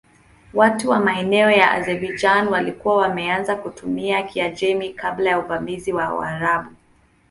Watu wa maeneo ya Azerbaijan walikuwa wameanza kutumia Kiajemi kabla ya uvamizi wa Waarabu.